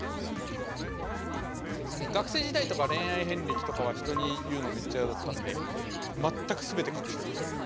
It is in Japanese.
学生時代とか恋愛遍歴とかは人に言うのめっちゃ嫌だったんで全く全て隠してましたね。